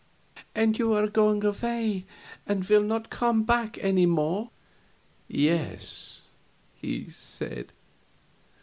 "And you are going away, and will not come back any more?" "Yes," he said.